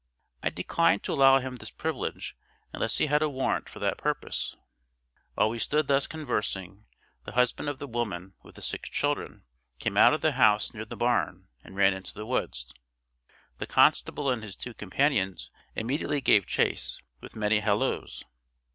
I declined to allow him this privilege, unless he had a warrant for that purpose. While we stood thus conversing, the husband of the woman with the six children, came out of a house near the barn, and ran into the woods. The constable and his two companions immediately gave chase, with many halloos!